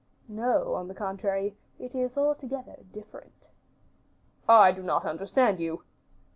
"No, on the contrary, it is altogether different." "I do not understand you."